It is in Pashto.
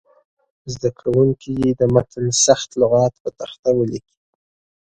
زده کوونکي دې د متن سخت لغات پر تخته ولیکي.